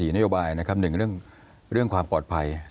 นโยบายนะครับ๑เรื่องความปลอดภัย